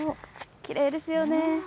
きれいですよね。